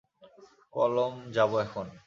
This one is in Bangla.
কলম যাবো এখন।